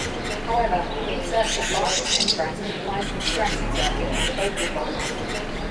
However, researchers' largest interest lies in stress exerted on the vocal folds.